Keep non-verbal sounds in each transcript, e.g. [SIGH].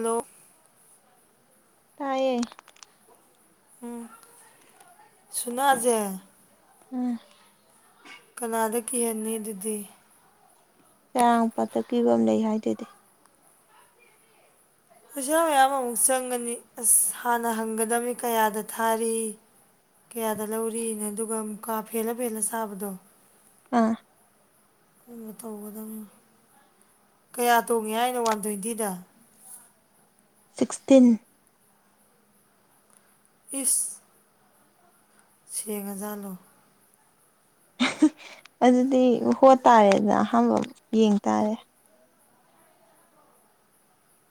hello ꯇꯥꯏꯌꯦ ꯎꯝ ꯁꯨꯅꯁꯦ ꯎꯝ ꯀꯅꯥꯗ ꯀꯤꯍꯟꯅꯤ ꯑꯗꯨꯗꯤ ꯆꯔꯥꯡ ꯄꯥꯠꯇ ꯀꯤꯕꯝ ꯂꯩ ꯍꯥꯏꯗꯨꯗꯤ ꯄꯩꯁꯥ ꯃꯌꯥꯝ ꯑꯃꯨꯛ ꯆꯪꯉꯅꯤ ꯑꯁ ꯍꯥꯟꯅ ꯍꯪꯒꯗꯝꯕꯅꯤ ꯀꯌꯥꯗ ꯊꯥꯔꯤ ꯀꯌꯥꯗ ꯂꯧꯔꯤ ꯑꯗꯨꯒ ꯃꯨꯛꯀꯥ ꯐꯦꯜꯂ ꯐꯦꯜꯂ ꯁꯥꯕꯗꯣ ꯑꯥ ꯀꯩꯅꯣ ꯇꯧꯒꯗꯕꯅꯤ ꯀꯌꯥ ꯇꯣꯡꯉꯦ ꯍꯥꯏꯅꯣ ꯋꯥꯟ ꯇ꯭ꯋꯦꯟꯇꯤꯗ ꯁꯤꯛꯁꯇꯤꯟ ꯏꯁ ꯁꯦꯡꯉꯖꯥꯠꯂꯣ ꯑꯗꯨꯗꯤ ꯍꯣꯠꯇꯥꯥꯔꯦꯗꯅ ꯑꯍꯥꯟꯕ ꯌꯦꯡ ꯇꯥꯔꯦ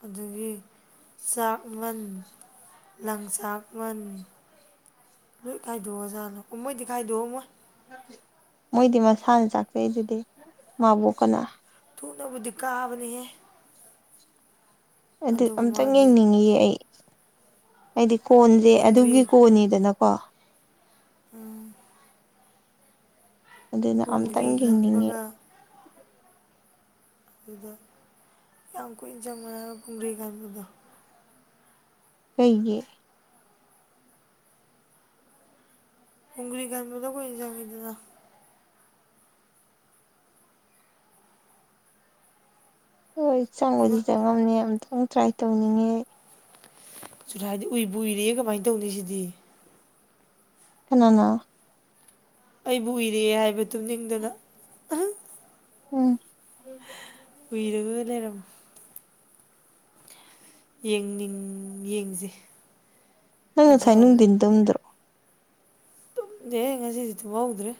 ꯑꯗꯒꯤ ꯆꯥꯛꯃꯟ ꯂꯪꯆꯥꯛꯃꯟ ꯂꯣꯏ ꯈꯥꯏꯗꯣꯛꯑꯖꯥꯠꯂꯣ ꯃꯣꯏꯗꯤ ꯈꯥꯏꯗꯣꯛꯑꯝꯃꯣꯏ ꯃꯣꯏꯗꯤ ꯃꯁꯥꯅ ꯆꯥꯛꯆꯩꯗꯨꯗꯤ ꯃꯥꯕꯣꯛ ꯀꯅ ꯊꯨꯅꯕꯨꯗꯤ ꯀꯥꯕꯅꯤꯍꯦ ꯑꯗꯨ ꯑꯗꯨꯒ ꯑꯝꯇꯪ ꯃꯥꯒꯤ ꯌꯦꯡꯅꯤꯡꯏꯌꯦ ꯑꯩ ꯑꯩꯗꯤ ꯀꯣꯟꯁꯦ ꯄꯨꯡꯒ꯭ꯔꯤ ꯑꯗꯨꯒꯤ ꯀꯣꯟꯅꯤꯗꯅꯀꯣ ꯎꯝ ꯑꯗꯨꯅ ꯄꯨꯡꯒ꯭ꯔꯤ ꯑꯝꯇꯪ ꯌꯦꯡꯅꯤꯡꯉꯤ ꯈꯟꯕꯒ ꯑꯗꯨꯒ ꯌꯥꯝ ꯀꯨꯏꯅ ꯆꯪꯕ ꯀꯨꯝ꯭ꯀꯔꯤ ꯈꯟꯕꯗꯣ ꯀꯩꯒꯤ ꯀꯨꯡꯒ꯭ꯔꯤ ꯈꯟꯕꯗꯣ ꯀꯨꯏꯅ ꯆꯪꯉꯤꯗꯅ ꯍꯣꯏ ꯏꯃꯥ ꯆꯪꯕꯨꯗꯤ ꯆꯪꯉꯝꯅꯤ ꯑꯝꯇꯪ ꯇ꯭ꯔꯥꯏ ꯇꯧꯅꯤꯡꯉꯦ ꯆꯨꯔꯥꯏꯕ ꯎꯏꯕꯨꯨ ꯎꯏꯔꯦ ꯀꯃꯥꯏ ꯇꯧꯅꯤ ꯁꯤꯗꯤ ꯀꯅꯥꯅꯣ ꯑꯩꯕꯨ ꯎꯏꯔꯦ ꯍꯥꯏꯕ ꯇꯨꯝꯅꯤꯡꯗꯅ ꯎꯝ ꯎꯣꯏꯔꯒꯒ ꯂꯩꯔꯝ ꯌꯦꯡꯅꯤꯡ ꯌꯦꯡꯁꯦ ꯅꯪ ꯑꯗꯣ ꯉꯁꯥꯏ ꯑꯃꯨꯛ ꯅꯨꯡꯊꯤꯟ ꯇꯨꯝꯗ꯭ꯔꯣ ꯇꯨꯝꯗꯦꯍꯦ ꯉꯁꯤꯗꯤ ꯊꯨꯝꯍꯧꯗ꯭ꯔꯦ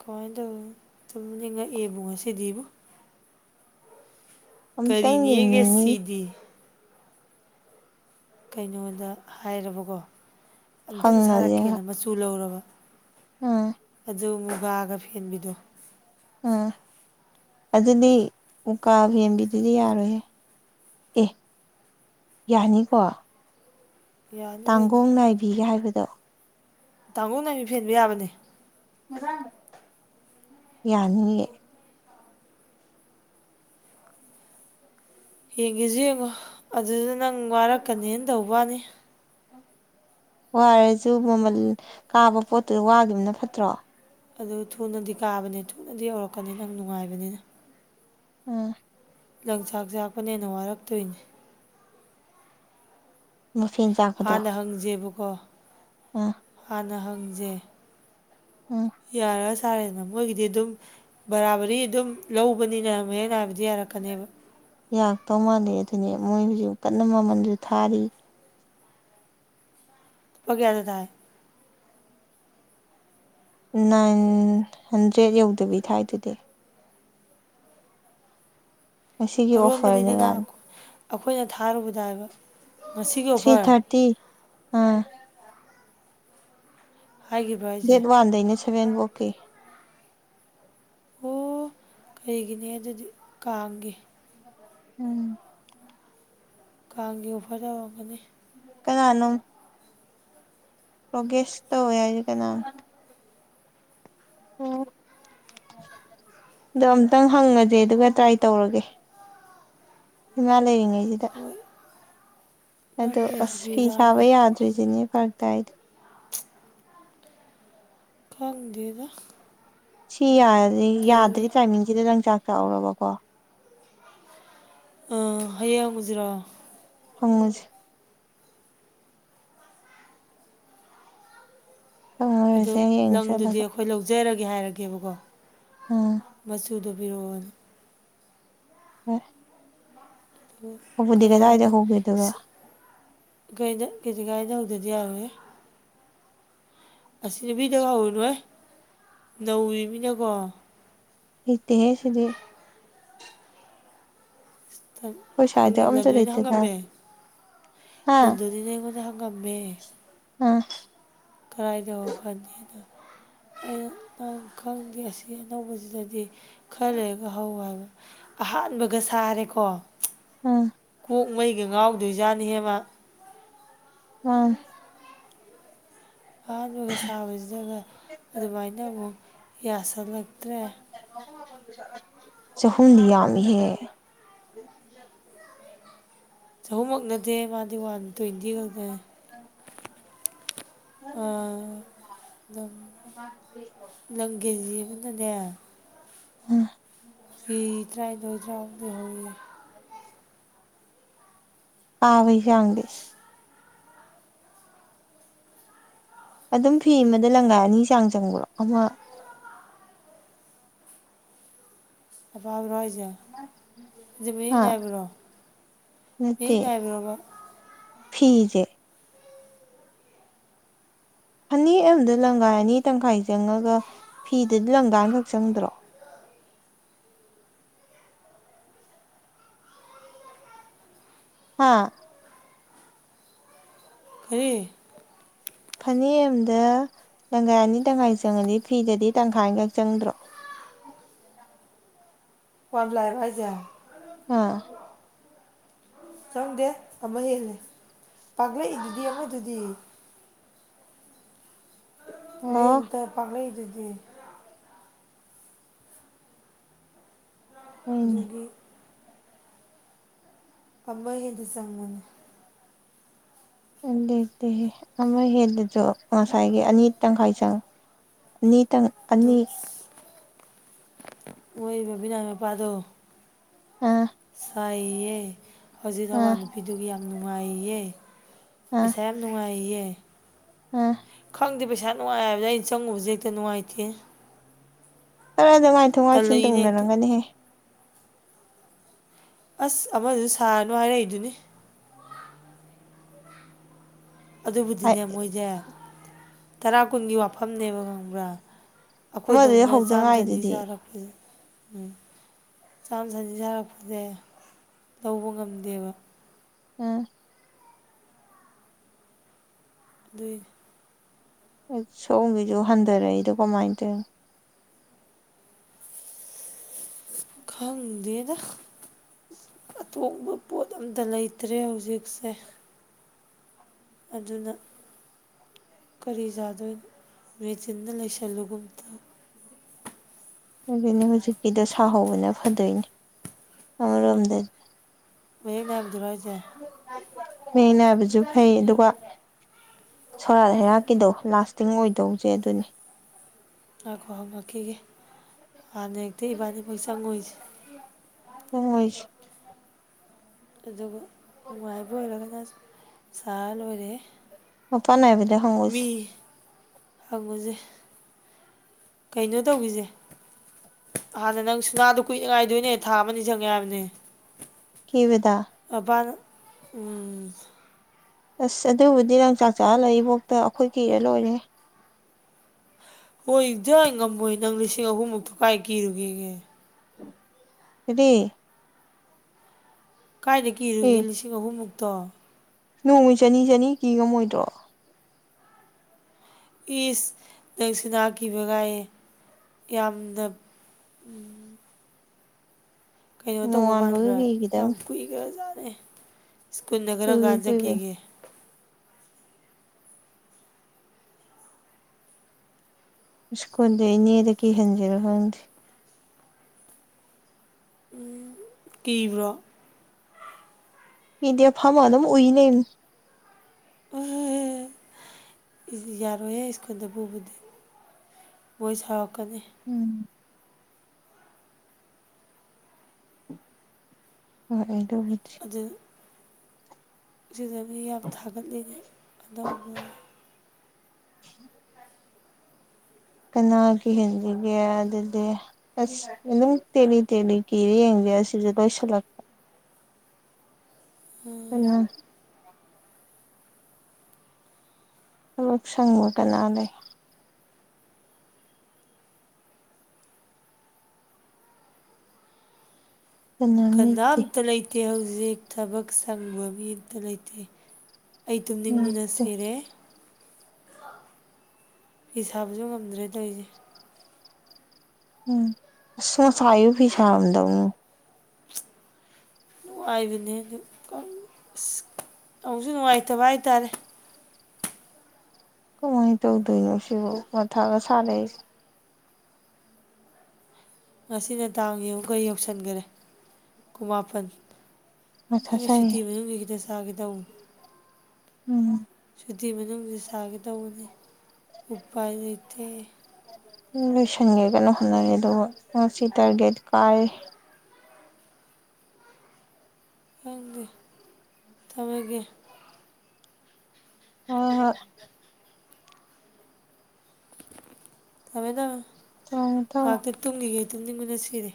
ꯀꯃꯥꯏꯅ ꯇꯧꯅꯤ ꯇꯨꯝꯅꯤꯡꯉꯛꯑꯦꯕꯣ ꯉꯁꯤꯗꯤꯕꯨ ꯑꯝꯇꯪ ꯀꯔꯤꯅꯤꯌꯦꯒꯦ ꯌꯦꯡꯅꯤꯡꯉꯤ ꯁꯤꯗꯤ ꯀꯩꯅꯣꯗ ꯍꯥꯏꯔꯕꯀꯣ ꯑꯝꯇ ꯍꯪꯉꯁꯦ ꯎꯁꯥꯔꯛꯀꯦꯅ ꯃꯆꯨ ꯂꯧꯔꯕ ꯎꯝ ꯑꯗꯨ ꯃꯨꯒꯥꯒ ꯐꯦꯟꯕꯤꯗꯣ ꯌꯝ ꯑꯗꯨꯗꯤ ꯃꯨꯛꯀꯥ ꯐꯦꯟꯕꯤꯗꯨꯗꯤ ꯌꯥꯔꯣꯏꯍꯦ ꯑꯦ ꯌꯥꯅꯤꯀꯣ ꯌꯥꯅꯤ ꯀꯩꯅꯣ ꯇꯥꯡꯒꯣꯡ ꯅꯥꯏꯕꯤꯒ ꯍꯥꯏꯕꯗꯣ ꯇꯥꯡꯒꯣꯡꯅꯥꯕꯤ ꯐꯦꯟꯕ ꯌꯥꯕꯅꯦ ꯌꯥꯅꯤꯌꯦ ꯌꯦꯡꯒꯦꯁꯨ ꯌꯦꯡꯉꯣ ꯑꯗꯨꯗ ꯅꯪ ꯋꯥꯔꯛꯀꯅꯦꯅ ꯇꯧꯕ ꯋꯥꯅꯤ ꯋꯥꯔꯁꯨ ꯃꯃꯜ ꯀꯥꯕ ꯄꯣꯠꯇꯨꯗ ꯋꯥꯈꯤꯕꯅ ꯐꯠꯇ꯭ꯔꯣ ꯑꯗꯨ ꯊꯨꯅꯗꯤ ꯀꯥꯕꯅꯤ ꯊꯨꯅꯗꯤ ꯌꯧꯔꯛꯀꯅꯤ ꯅꯪ ꯅꯨꯡꯉꯥꯏꯕꯅꯤꯅ ꯑꯥ ꯂꯪꯆꯥꯛ ꯆꯥꯛꯄꯅ ꯍꯦꯟꯅ ꯋꯥꯔꯛꯇꯣꯏꯅꯦ ꯃꯐꯦꯟ ꯆꯥꯛ ꯍꯥꯟꯅ ꯍꯪꯖꯦꯕꯀꯣ ꯎꯝ ꯍꯥꯟꯅ ꯍꯪꯖꯩ ꯎꯝ ꯌꯥꯔ ꯁꯥꯔꯦꯅ ꯃꯣꯏꯒꯤꯗꯤ ꯑꯗꯨꯝ ꯕꯔꯥꯕꯔꯤ ꯑꯗꯨꯝ ꯂꯧꯕꯅꯤꯅ ꯃꯌꯦꯛ ꯅꯥꯏꯕꯗꯤ ꯌꯥꯔꯛ ꯀꯅꯦꯕ ꯌꯥꯛꯇꯧ ꯃꯥꯟꯗꯦ ꯑꯗꯨꯅꯦ ꯃꯣꯏ ꯍꯧꯖꯤꯛ ꯀꯟꯅ ꯃꯃꯟꯁꯨ ꯊꯥꯔꯤ ꯂꯨꯄꯥ ꯀꯌꯥꯗ ꯊꯥꯏ ꯅꯥꯏꯟ ꯍꯟꯗ꯭ꯔꯦꯠ ꯌꯧꯗꯕꯤ ꯊꯥꯏꯗꯨꯗꯤ ꯉꯁꯤꯒꯤ ꯑꯣꯐꯔꯅꯦ ꯑꯔꯣꯟꯕꯅꯤꯗꯅ ꯀꯥꯏꯅ ꯑꯩꯈꯣꯏꯅ ꯊꯥꯔꯨꯕꯗ ꯍꯥꯏꯕ ꯉꯁꯤꯒꯤ ꯊ꯭ꯔꯤ ꯑꯣꯐꯔ ꯊꯥꯔꯇꯤ ꯑꯥ ꯍꯥꯏꯈꯤꯕ꯭ꯔꯣ ꯍꯥꯏꯁꯦ ꯗꯦꯠ ꯋꯥꯟ ꯗꯩꯅ ꯁꯚꯦꯟꯕꯣꯛꯀꯤ ꯑꯣ ꯀꯔꯤꯒꯤꯅꯦ ꯑꯗꯨꯗꯤ ꯀꯥꯡꯒꯤ ꯎꯝ ꯀꯥꯡꯒꯤ ꯑꯣꯐꯔ ꯇꯧꯔꯝꯒꯅꯤ ꯀꯅꯥꯅꯣꯝ ꯄ꯭ꯔꯣꯒ꯭ꯔꯦꯁ ꯇꯧꯋꯦ ꯍꯥꯏꯁꯦ ꯀꯅꯥꯅꯣ ꯑꯣ [INAUDIBLE] ꯑꯗꯣ ꯑꯝꯇꯪ ꯍꯪꯉꯁꯦ ꯑꯗꯨꯒ ꯇ꯭ꯔꯥꯏ ꯇꯧꯔꯒꯦ ꯏꯃꯥ ꯂꯩꯔꯤꯉꯩꯁꯤꯗ ꯍꯣꯏ ꯑꯗꯣ ꯅꯪꯒꯤ ꯑꯁ ꯁꯤꯕꯤ ꯐꯤ ꯁꯥꯕ ꯆꯥꯂꯣꯏꯁꯦ ꯌꯥꯗ꯭ꯔꯤꯁꯤꯅꯦ ꯐꯔꯛ ꯇꯥꯏꯗꯣ ꯈꯪꯪꯗꯦꯗ ꯁꯤ ꯌꯥꯔꯤ ꯌꯥꯗ꯭ꯔꯤ ꯇꯥꯏꯃꯤꯡꯁꯤꯗ ꯂꯪꯆꯥꯛ ꯆꯥꯛꯍꯧꯔꯕꯀꯣ [INAUDIBLE] ꯑ ꯍꯩ ꯌꯦꯡꯉꯨꯖꯤꯔꯣ ꯍꯪꯉꯨꯖꯤ ꯑꯗꯨ ꯍꯪꯉꯨꯔꯁꯦ ꯍꯌꯦꯡ ꯂꯪꯗꯨꯗꯤ ꯆꯠꯂꯒ ꯑꯩꯈꯣꯏ ꯑꯩꯈꯣꯏ ꯂꯧꯖꯔꯒꯦ ꯍꯥꯏꯔꯒꯦꯕꯀꯣ ꯑꯥ ꯃꯆꯨꯗꯣ ꯄꯤꯔꯛꯑꯣꯅꯦ ꯍꯣꯏ ꯍꯕꯨꯗꯤ ꯀꯌꯥꯅꯣ ꯀꯗꯥꯏꯗ ꯍꯒꯦꯗꯨꯒ ꯀꯩꯗ ꯀꯦꯖꯤ ꯒꯥꯥꯏꯗ ꯍꯧꯗꯗꯤ ꯌꯥꯔꯣꯍꯦ ꯑꯁꯤ ꯅꯨꯄꯤꯗꯒ ꯍꯧꯔꯨꯅꯨꯍꯩ ꯅꯧꯔꯤꯃꯤꯅꯀꯣ ꯍꯩꯇꯦꯍꯦ ꯁꯤꯗꯤ ꯪ ꯇꯟ ꯑꯩꯈꯣꯏ ꯁ꯭ꯋꯥꯏꯗ ꯍꯪꯅꯤꯡ ꯑꯝꯇ ꯂꯟꯗꯣꯏꯅ ꯂꯩꯇꯖꯥꯠ ꯍꯪꯉꯝꯃꯦ ꯍꯥ ꯂꯟꯗꯣꯏꯅꯤꯅꯦ ꯑꯩꯉꯣꯟꯗ ꯍꯪꯉꯝꯃꯦ ꯑꯥ ꯀꯥꯏꯗꯕ ꯐꯅꯤꯅ ꯑꯩꯅ ꯅꯪ ꯈꯪꯗꯦ ꯑꯁꯤ ꯑꯅꯧꯕꯁꯤꯗꯗꯤ ꯈꯔ ꯂꯩꯔꯒ ꯍꯧ ꯍꯥꯏꯕ ꯑꯍꯥꯟꯕꯒ ꯁꯥꯔꯦꯀꯣ ꯎꯝ ꯀꯣꯛ ꯃꯩꯒ ꯉꯥꯎꯗꯣꯏꯖꯥꯠꯅꯤꯍꯦ ꯃꯥ [UNINTELLIGIBLE] ꯑꯍꯥꯟꯕꯒ ꯁꯥꯕꯁꯤꯗꯒ ꯑꯗꯨꯃꯥꯏꯅ ꯑꯃꯨꯛ ꯌꯥꯁꯜꯂꯛꯇ꯭ꯔꯦ ꯆꯍꯨꯝꯗꯤ ꯌꯥꯝꯃꯤꯍꯦ ꯆꯍꯨꯝꯃꯛ ꯅꯠꯇꯦꯍꯦ ꯃꯥꯗꯤ ꯋꯥꯟ ꯇ꯭ꯋꯦꯟꯇꯤ ꯈꯛꯇꯅꯦ [UNINTELLIGIBLE] ꯑꯥ ꯅꯪ ꯂꯥꯪ ꯀꯦꯖꯤ ꯑꯃꯗꯅꯦ ꯎꯝ ꯐꯤ ꯇ꯭ꯔꯥꯅꯤꯊꯣꯏ ꯇ꯭ꯔꯥꯍꯨꯝꯗꯣꯏ ꯍꯧꯋꯦ ꯄꯥꯕꯩ ꯆꯥꯡꯗꯤ ꯑꯗꯨꯝ ꯐꯤ ꯑꯃꯗ ꯂꯪꯒꯥ ꯑꯅꯤ ꯆꯥꯡ ꯆꯪꯕ꯭ꯔꯣ ꯑꯃ ꯑꯄꯥ ꯕꯔꯣꯍꯥꯢꯖꯦ ꯖꯤ ꯃꯌꯦꯛ ꯍꯥ ꯅꯥꯏꯕ꯭ꯔꯣ ꯃꯌꯦꯛ ꯅꯥꯏꯕꯔꯣꯕ ꯐꯤꯖꯦ ꯐꯅꯦꯛ ꯑꯝꯗ ꯂꯪꯒꯥꯏ ꯑꯅꯤ ꯇꯪꯈꯥꯏ ꯆꯪꯉꯒ ꯐꯤꯗꯗꯤ ꯂꯪꯒꯥ ꯑꯃꯈꯛ ꯆꯪꯗ꯭ꯔꯣ ꯍꯥꯥ ꯀꯔꯤ ꯐꯅꯦꯛ ꯑꯝꯗ ꯂꯪꯒꯥꯏ ꯑꯅꯤ ꯇꯪꯈꯥꯏ ꯆꯪꯉꯗꯤ ꯐꯤꯗꯗꯤ ꯇꯪꯈꯥꯏꯈꯛ ꯆꯪꯗ꯭ꯔꯣ ꯋꯥꯟꯄ꯭ꯂꯥꯏꯔꯣ ꯍꯥꯏ ꯁꯦ ꯑꯥ ꯆꯪꯗꯦ ꯑꯃ ꯍꯦꯜꯂꯦ ꯄꯥꯛꯂꯛꯏꯗꯨꯗꯤ ꯑꯃꯗꯨꯗꯤ ꯑꯣ ꯂꯦꯡꯇ ꯄꯥꯛꯂꯛꯏꯗꯨꯗꯤ ꯍꯣꯏꯅꯦ ꯑꯗꯨꯒꯤ ꯑꯃ ꯍꯦꯟꯅ ꯆꯪꯕꯅꯦ ꯑꯗꯨꯢ ꯇꯦꯍꯦ ꯑꯃ ꯍꯦꯜꯂꯤꯗꯣ ꯉꯁꯥꯏꯒꯤ ꯑꯅꯤ ꯇꯪꯈꯥꯏ ꯆꯪ ꯑꯅꯤ ꯑꯗꯨ ꯃꯣꯏ ꯕꯕꯤꯅꯥꯏ ꯃꯄꯥꯗꯣ ꯑꯥ ꯁꯥꯏꯌꯦ ꯍꯧꯖꯤꯛ ꯑꯥ ꯊꯧꯋꯥꯟ ꯅꯨꯄꯤꯗꯨꯒꯤ ꯌꯥꯝ ꯅꯨꯡꯉꯥꯏꯌꯦ ꯑꯥ ꯄꯩꯁꯥ ꯌꯥꯝ ꯅꯨꯡꯉꯥꯏꯌꯦ ꯑꯥ ꯈꯪꯗꯦ ꯄꯩꯁꯥ ꯅꯨꯡꯉꯥꯏ ꯍꯥꯏꯕꯗ ꯑꯩꯅ ꯆꯪꯉꯨꯕꯁꯦ ꯍꯦꯛꯇ ꯅꯨꯡꯉꯥꯏꯇꯦꯅꯦ ꯈꯔ ꯑꯗꯨꯉꯥꯏꯊꯣꯛ ꯉꯥꯏꯁꯤꯟ ꯇꯜꯂꯛꯏꯅꯦ ꯍꯦꯛꯇ ꯇꯧꯅꯔꯝꯒꯅꯤꯍꯦ ꯑꯁ ꯑꯃꯗꯨꯁꯨ ꯁꯥꯔꯅꯨ ꯍꯥꯏꯔꯛꯏꯗꯨꯅꯤ ꯍꯥꯏ ꯑꯗꯨꯕꯨꯗꯤꯅꯦ ꯃꯣꯏꯖꯦ ꯇꯔꯥ ꯀꯨꯟꯒꯤ ꯋꯥꯐꯝꯅꯦꯕ ꯈꯪꯕ꯭ꯔꯥ ꯑꯃꯗꯨꯗꯤ ꯑꯈꯣꯏꯗꯧꯅ ꯍꯧꯗ ꯆꯥꯝ ꯆꯅꯤ ꯉꯥꯏꯗꯨꯗꯤ ꯁꯥꯔꯛꯄꯖꯦ ꯎꯝ ꯆꯥꯝ ꯆꯅꯤ ꯁꯥꯔꯛꯄꯁꯦ ꯂꯧꯕ ꯉꯝꯗꯦꯕ ꯑꯥ ꯗꯨꯏꯅꯦ ꯑꯆ ꯁꯣꯝꯒꯤꯖꯨ ꯍꯟꯗꯔꯛꯏꯗꯣ ꯀꯃꯥꯏ ꯇꯩꯟ [UNINTELLIGIBLE] ꯈꯪꯗꯦꯗ ꯑꯇꯣꯡꯕ ꯄꯣꯠ ꯑꯝꯇ ꯂꯩꯇ꯭ꯔꯦ ꯍꯧꯖꯤꯛꯁꯦ ꯑꯗꯨꯅ ꯀꯔꯤ ꯆꯥꯗꯣꯏꯅꯣ ꯃꯦꯆꯤꯟꯅ ꯂꯩꯁꯜꯂꯨꯒꯨꯝꯇꯧ ꯑꯗꯨꯅꯦ ꯍꯧꯖꯤꯛꯀꯤꯗꯣ ꯁꯥꯍꯧꯕꯅ ꯐꯗꯣꯏꯅꯤ ꯑꯃꯔꯣꯝꯗ ꯃꯌꯦꯛ ꯅꯥꯏꯕꯗꯨꯔꯣ ꯍꯥꯢꯁꯦ ꯃꯌꯦꯛ ꯅꯥꯏꯕꯁꯨ ꯐꯩ ꯑꯗꯨꯒ ꯁꯣꯔꯥꯠ ꯍꯩꯔꯥꯛꯀꯤꯗꯣ ꯂꯥꯁꯇꯤꯡ ꯑꯣꯏꯗꯧꯖꯦ ꯑꯗꯨꯅꯤ ꯉꯥꯏꯈꯣ ꯍꯪꯉꯛꯈꯤꯒꯦ ꯍꯥꯟꯅ ꯍꯦꯛꯇ ꯏꯕꯥꯅꯤ ꯃꯛ ꯆꯪꯉꯣꯏꯖꯤ ꯆꯪꯉꯣꯏꯁ ꯑꯗꯨꯒ ꯅꯨꯡꯉꯥꯏꯕ ꯑꯣꯏꯔꯒꯅ ꯁꯥ ꯂꯣꯏꯔꯦꯍꯦ ꯃꯄꯥꯟ ꯅꯥꯏꯕꯗꯩ ꯍꯍꯧꯁꯤ ꯍꯪꯉꯨꯖꯦ ꯀꯩꯅꯣ ꯇꯧꯒꯤꯖꯦ ꯍꯥꯟꯅ ꯅꯪ ꯁꯅꯥꯗꯨ ꯀꯨꯏꯅ ꯉꯥꯏꯗꯣꯏꯅꯦ ꯊꯥ ꯑꯃꯅꯤ ꯆꯪꯉꯦ ꯍꯥꯏꯕꯅꯦ ꯀꯤꯕꯗ ꯃꯄꯥꯅ ꯎꯝ ꯑꯁ ꯑꯗꯨꯕꯨꯗꯤ ꯅꯪ ꯆꯥꯛ ꯆꯥꯍꯂ ꯏꯕꯣꯛꯇ ꯑꯈꯣꯏ ꯀꯤꯔ ꯂꯣꯏꯔꯦꯍꯦ ꯍꯣꯏ ꯖꯩ ꯉꯝꯃꯣꯏ ꯅꯪ ꯂꯤꯁꯤꯡ ꯑꯍꯨꯝ ꯃꯨꯛꯇꯣ ꯀꯥꯏ ꯀꯤꯔꯨꯒꯦꯒꯦ ꯀꯔꯤ ꯀꯥꯏꯗ ꯀꯤꯔꯨꯒꯦ ꯑꯦ ꯂꯤꯁꯤꯡ ꯑꯍꯨꯝꯃꯨꯛꯇꯣ ꯅꯣꯡꯃꯩ ꯆꯅꯤ ꯆꯅꯤ ꯀꯤ ꯉꯝꯃꯣꯏꯗ꯭ꯔꯣ ꯏꯁ ꯅꯪ ꯁꯨꯅꯥ ꯀꯤꯕꯒꯥꯏꯌꯦ ꯌꯥꯝꯅ ꯎꯝ ꯀꯩꯅꯣ ꯇꯧꯕ ꯅꯣꯡꯉꯥꯟꯕꯒ ꯃꯥꯟꯕ꯭ꯔꯥ ꯌꯥꯝ ꯀꯤꯈꯤꯗꯕꯅꯤ ꯀꯨꯏ ꯒ꯭ꯔꯥ ꯖꯥꯠꯅꯦ ꯁ꯭ꯀꯨꯟꯅ ꯀꯔꯝ ꯀꯨꯏꯕꯩ ꯀꯟ ꯀꯨꯏꯕꯅꯤ ꯆꯠꯀꯦꯒꯦ ꯁ꯭ꯀꯨꯜꯗꯤ ꯏꯅꯦꯗ ꯀꯤꯍꯟꯖꯤꯔ ꯈꯪꯗꯦ ꯎꯝ ꯀꯤꯕ꯭ꯔꯣ ꯀꯤꯗꯦ ꯐꯝꯃ ꯑꯗꯨꯝ ꯎꯏ ꯂꯩꯕꯅꯦ [UNINTELLIGIBLE] [UNINTELLIGIBLE] ꯌꯥꯔꯣꯏꯍꯦ ꯁ꯭ꯀꯨꯟꯗ ꯄꯨꯕꯗꯤ ꯃꯣꯏ ꯁꯥꯎꯔꯛꯀꯅꯤ ꯎꯝ ꯍꯣꯏ [UNINTELLIGIBLE] ꯗꯨ ꯁꯤꯗꯗꯤ ꯌꯥꯝ ꯊꯥꯒꯠ ꯂꯤꯅꯦ [UNINTELLIGIBLE] ꯀꯅꯥ ꯀꯤꯍꯟꯖꯤꯒꯦ ꯑꯗꯨꯗꯤ ꯑꯁ ꯑꯗꯨꯝ ꯇꯦꯛꯂꯤ ꯇꯦꯛꯂꯤ ꯀꯤꯔ ꯌꯦꯡꯖꯤꯔ ꯁꯤꯗ ꯂꯣꯏꯁꯜꯂꯛ ꯎꯝ ꯊꯕꯛ ꯁꯪꯉꯣꯏ ꯀꯅꯥ ꯂꯩ ꯀꯅꯥꯝ ꯂꯩꯇꯦ ꯀꯥꯅꯥꯝꯇ ꯂꯩꯇꯦ ꯍꯧꯖꯤꯛ ꯊꯕꯛ ꯁꯪꯕ ꯃꯤ ꯑꯝꯇ ꯂꯩꯇꯦ ꯑꯩ ꯇꯨꯝꯅꯤꯡꯕꯅ ꯂꯩꯇꯦ ꯁꯤꯔꯦ ꯐꯤ ꯁꯥꯕꯁꯨ ꯉꯝꯗ꯭ꯔꯦ ꯇꯧꯔꯤꯁꯦ ꯎꯝ ꯑꯁ ꯉꯁꯥꯏ ꯑꯌꯨꯛ ꯐꯤ ꯁꯥꯔꯝꯗꯧꯅꯤ [INAUDIBLE] ꯅꯨꯡꯉꯥꯏꯕꯅꯦ ꯑꯗꯨ ꯑꯁ ꯑꯃꯨꯛꯁꯨ ꯅꯨꯡꯉꯥꯏꯇꯕ ꯍꯥꯏꯇꯥꯔꯦ ꯀꯃꯥꯏ ꯇꯧꯗꯣꯏꯅꯣ ꯁꯤꯕꯨ ꯃꯊꯥꯒ ꯁꯥꯔꯦ ꯑꯩꯁꯦ ꯉꯁꯤꯅꯦ ꯇꯥꯡ ꯌꯦꯟꯉꯨ ꯀꯩ ꯌꯥꯎꯁꯟꯈꯔꯦ ꯀꯨꯟꯃꯥꯄꯟ ꯃꯊꯥ ꯑꯩꯁꯨ ꯁꯥꯏꯌꯦ ꯁꯨꯇꯤ ꯃꯅꯨꯡꯁꯤ ꯈꯤꯇꯪ ꯁꯥꯒꯦ ꯇꯧꯕꯅꯦ ꯎꯝ ꯁꯨꯇꯤ ꯃꯅꯨꯡꯁꯤ ꯁꯥꯒꯦꯗꯧꯕꯅꯤ ꯎꯄꯥꯏ ꯂꯩꯇꯦ ꯂꯣꯏꯁꯤꯟꯒꯦꯅ ꯍꯣꯠꯅꯔꯦ ꯑꯗꯨꯒ ꯉꯁꯤ ꯇꯥꯔꯒꯦꯠ ꯀꯥꯏꯔꯦ ꯈꯪꯗꯦ ꯊꯝꯃꯒꯦ ꯍꯣꯏ ꯍꯣꯏ ꯊꯝꯃꯦ ꯊꯝꯃꯦ ꯊꯝꯃꯦ ꯊꯝꯃꯦ ꯉꯥꯏꯍꯥꯛꯇ ꯇꯨꯝꯒꯤꯒꯦ ꯇꯨꯝꯅꯤꯡꯕꯅ ꯁꯤꯔꯦ